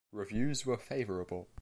Reviews were favourable.